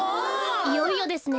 いよいよですね。